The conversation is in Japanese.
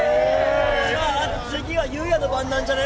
じゃあ次はユウヤの番なんじゃね？